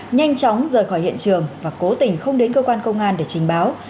nhanh chóng rời khỏi hiện trường và cố tình không đến cơ quan công an để trình báo